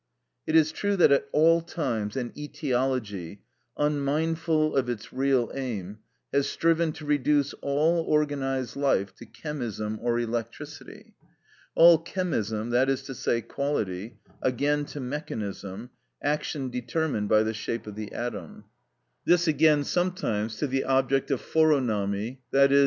It is true that at all times an etiology, unmindful of its real aim, has striven to reduce all organised life to chemism or electricity; all chemism, that is to say quality, again to mechanism (action determined by the shape of the atom), this again sometimes to the object of phoronomy, _i.e.